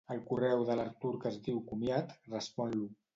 El correu de l'Artur que es diu "comiat", respon-lo.